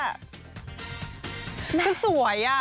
เกินสวยอะ